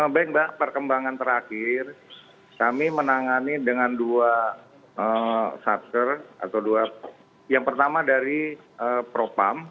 baik mbak perkembangan terakhir kami menangani dengan dua sasar yang pertama dari propam